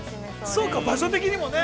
◆そうか、場所的にもね。